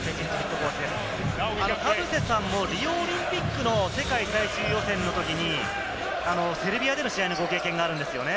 田臥さんもリオオリンピックの世界最終予選のときにセルビアでの試合のご経験があるんですよね？